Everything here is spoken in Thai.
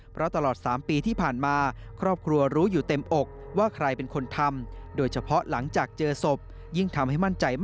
เพราะตลอด๓ปีที่ผ่านมา